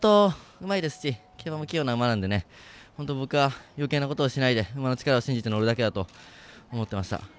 うまいですし器用な馬なんで本当、僕はよけいなことをしないで馬の力を信じて乗るだけだと思ってました。